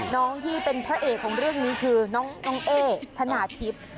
น้องที่เป็นพระเอกของเรื่องนี้คือน้องเอ๊ธนาทิพย์